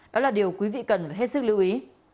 đó là điều quý vị cần phải hết sức lưu ý